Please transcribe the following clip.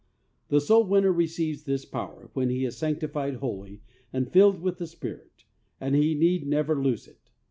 The soul winner receives this power when he is sanctified wholly and filled with the Spirit, and he need never lose it.